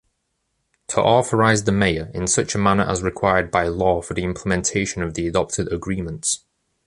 To authorize the Mayor, in such a manner as required by law for the implementation of the adopted agreements.